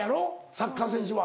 サッカー選手は。